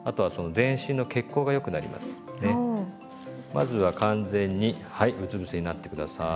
まずは完全にはいうつぶせになって下さい。